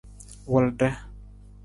Wulda.